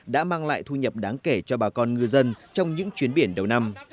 đã mang lại thu nhập đáng kể cho bà con ngư dân trong những chuyến biển đầu năm